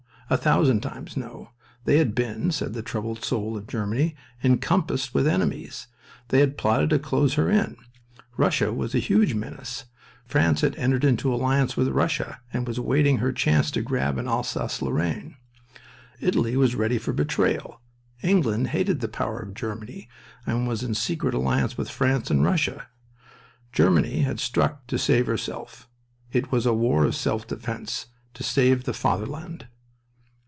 A thousand times no. They had been, said the troubled soul of Germany, encompassed with enemies. They had plotted to close her in. Russia was a huge menace. France had entered into alliance with Russia, and was waiting her chance to grab at Alsace Lorraine. Italy was ready for betrayal. England hated the power of Germany and was in secret alliance with France and Russia. Germany had struck to save herself. "It was a war of self defense, to save the Fatherland."